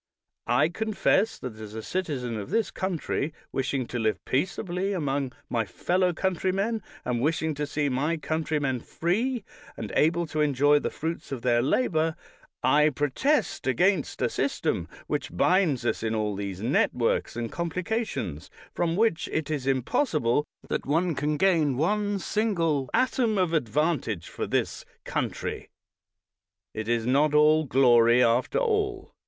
I confess that as a citizen of this country, wishing to live peaceably among my fellow coun trymen, and wishing to see my countrymen free, and able to enjoy the fruits of their labor, I protest against a system which binds us in all these networks and complications from which it is impossible that one can gain one single atom of advantage for this country. It is not all glory after all.